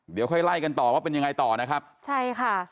เดี๋ยวค่อยไล่กันต่อว่าเป็นยังไงต่อนะครับใช่ค่ะ